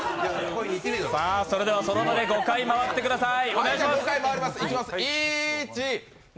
その場で５回回ってください